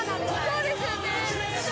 そうですよね